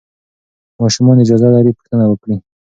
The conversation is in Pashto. ماشومان اجازه لري پوښتنه وکړي.